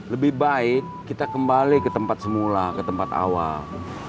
lebih baik kita kembali ke tempat semula ke tempat awal